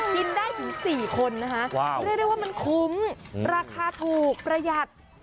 กินได้ถึง๔คนนะคะเรียกได้ว่ามันคุ้มราคาถูกประหยัด